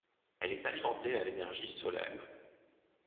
Elle est alimentée à l'énergie solaire.